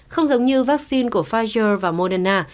không giống như vaccine của pfizer và moderna